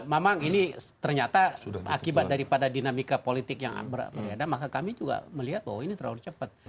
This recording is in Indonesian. memang ini ternyata akibat daripada dinamika politik yang maka kami juga melihat bahwa ini terlalu cepat